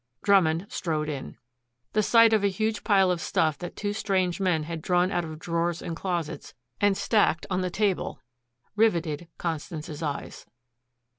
Drummond strode in. The sight of a huge pile of stuff that two strange men had drawn out of drawers and closets and stacked on the table riveted Constance's eyes.